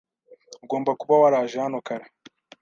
Ugomba kuba waraje hano kare.